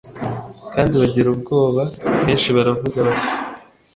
kandi bagira ubwoba bwinshi baravuga bati